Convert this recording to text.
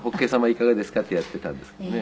いかがですか？」ってやっていたんですけどね。